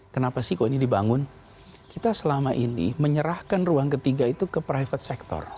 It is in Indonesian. kenapa sih kok ini dibangun kita selama ini menyerahkan ruang ketiga itu ke private sector